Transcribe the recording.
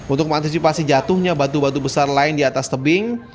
untuk mengantisipasi jatuhnya batu batu besar lain di atas tebing